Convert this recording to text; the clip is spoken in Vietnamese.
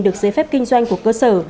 được giấy phép kinh doanh của cơ sở